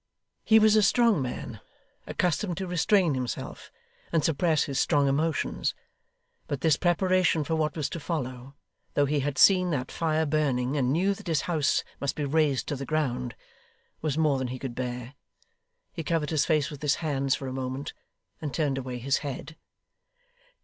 He was a strong man, accustomed to restrain himself, and suppress his strong emotions; but this preparation for what was to follow though he had seen that fire burning, and knew that his house must be razed to the ground was more than he could bear. He covered his face with his hands for a moment, and turned away his head.